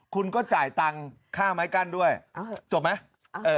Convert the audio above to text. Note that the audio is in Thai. คุณก็จ่ายตังค่าไม้กั้นด้วยจบไหม